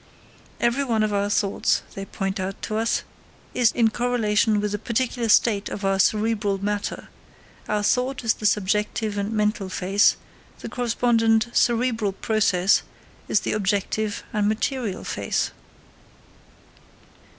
Every one of our thoughts, they point out to us, is in correlation with a particular state of our cerebral matter; our thought is the subjective and mental face, the corresponding cerebral process is the objective and material face.